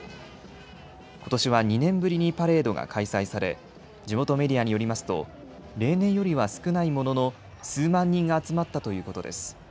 ことしは２年ぶりにパレードが開催され地元メディアによりますと例年よりは少ないものの数万人が集まったということです。